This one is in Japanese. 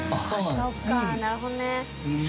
そうかなるほどね。